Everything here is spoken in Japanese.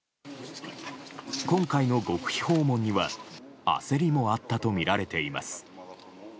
今回の極秘訪問には焦りもあったとみられています。